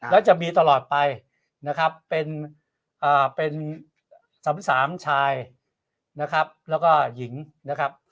แล้วจะมีตลอดไปนะครับเป็น๓๓ชายนะครับแล้วก็หญิงนะครับ